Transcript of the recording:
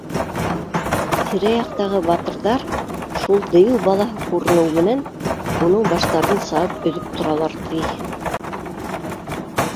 Тирә-яҡтағы батырҙар, шул дейеү балаһы күренеү менән, уның баштарын сабып өҙөп торалар, ти